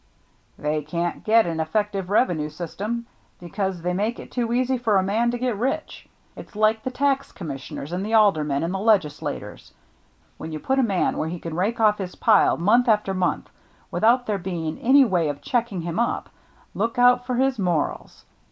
" They can't get an effective revenue system, because they make it too easy for a man to get rich. It's like the tax commissioners and the aldermen and the legislators, — when you put a man where he can rake off his pile, month after month, without there being any way of checking him up, look out for his morals.